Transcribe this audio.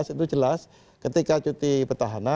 itu jelas ketika cuti petahana